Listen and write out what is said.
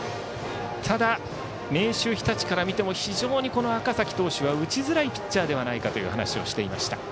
ただ、明秀日立から見ても非常に赤嵜投手は打ちづらいピッチャーではないかという話をしていました。